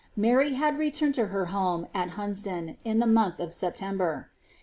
Hsiy bad returned to her home, at Hunsdon, in the month of September..